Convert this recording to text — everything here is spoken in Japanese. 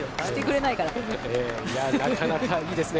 なかなかいいですね